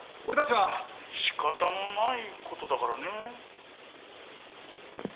しかたのないことだからね。